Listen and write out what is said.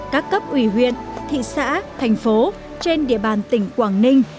các cấp ủy huyện thị xã thành phố trên địa bàn tỉnh quảng ninh